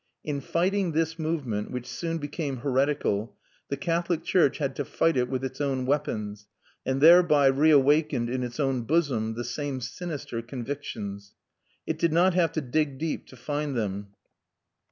In fighting this movement, which soon became heretical, the Catholic church had to fight it with its own weapons, and thereby reawakened in its own bosom the same sinister convictions. It did not have to dig deep to find them.